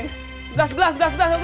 sebelah sebelah sebelah sebelah sebelah